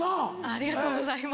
ありがとうございます。